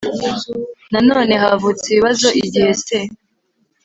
Nanone havutse ibibazo igihe C